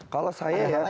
kalau saya ya